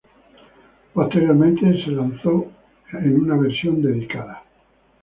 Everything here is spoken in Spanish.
Posteriormente fue lanzado en una versión dedicada.